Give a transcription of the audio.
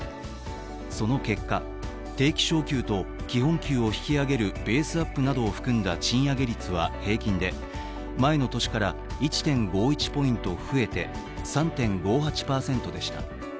その結果、定期昇給と基本給を引き上げるベースアップなどを含んだ賃上げ率は、平均で前の年から１．５１ポイント増えて３．５８％でした。